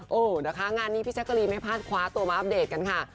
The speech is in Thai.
โอ้โหนะคะงานนี้พี่แจ๊กกะรีนไม่พลาดคว้าตัวมาอัปเดตกันค่ะ